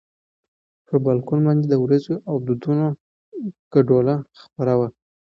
پر بالکن باندې د ورېځو او دودونو ګډوله خپره وه.